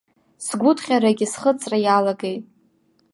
Сгәыҭҟьарагьы схыҵра иалагеит.